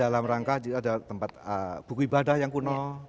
dalam rangka ada tempat buku ibadah yang kuno